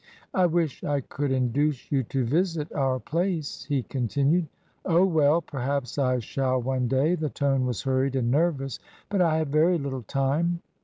"I wish I could induce you to visit our place!" he continued. Oh, well ! Perhaps I shall, one day" — the tone was hurried and nervous; "but I have very little time.